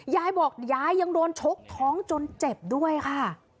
ยายบอกยายยังโดนชกท้องจนเจ็บด้วยค่ะ